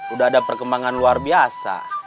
udah ada perkembangan luar biasa